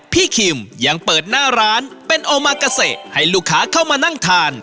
คิมยังเปิดหน้าร้านเป็นโอมากาเซให้ลูกค้าเข้ามานั่งทาน